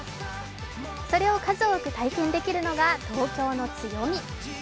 それを数多く体験できるのが東京の強み。